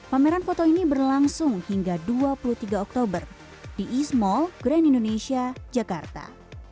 pameran foto ini berlangsung hingga dua puluh tiga oktober di east mall grand indonesia jakarta